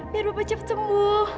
biar bapak cepet sembuh